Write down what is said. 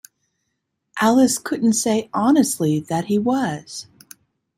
Alice couldn’t say honestly that he was.